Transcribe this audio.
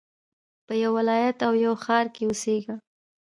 په يوه ولايت او يوه ښار کښي اوسېږه!